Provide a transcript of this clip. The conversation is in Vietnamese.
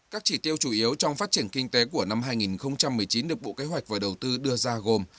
các chỉ tiêu chủ yếu trong phát triển kinh tế của năm hai nghìn một mươi chín được bộ kế hoạch và đầu tư đưa ra gồm